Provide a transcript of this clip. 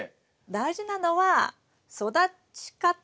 大事なのは育ち方。